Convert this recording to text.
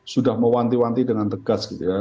sudah mewanti wanti dengan tegas gitu ya